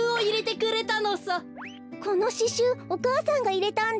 このししゅうお母さんがいれたんだ。